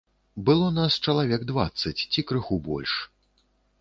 Было нас чалавек дваццаць ці крыху больш.